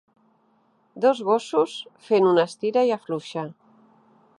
Dos gossos fent un estira i afluixa